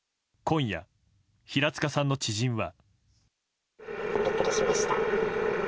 今夜、平塚さんの知人は。